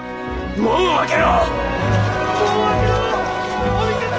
門を開けろ！